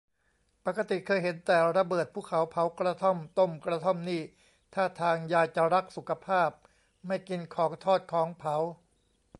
ปกติเคยเห็นแต่ระเบิดภูเขา เผากระท่อม ต้มกระท่อมนี่ ท่าทางยายจะรักสุขภาพ ไม่กินของทอดของเผา